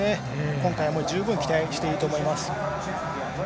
今回も十分期待していいと思います。